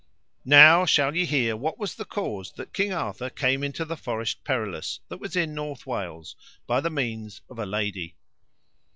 Now shall ye hear what was the cause that King Arthur came into the Forest Perilous, that was in North Wales, by the means of a lady.